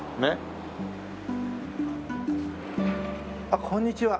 あっこんにちは。